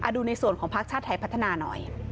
ดูในส่วนของภาคชาติไทยพัฒนาหน่อย